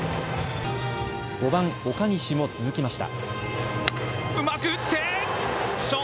５番・岡西も続きました。